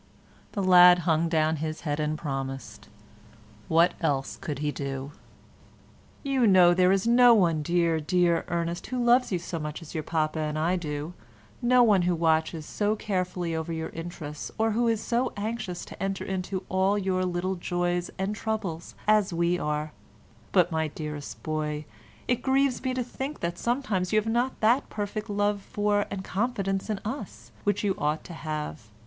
The lad hung down his head and promised. What else could he do? "You know there is no one, dear, dear Ernest, who loves you so much as your papa and I do; no one who watches so carefully over your interests or who is so anxious to enter into all your little joys and troubles as we are; but my dearest boy, it grieves me to think sometimes that you have not that perfect love for and confidence in us which you ought to have.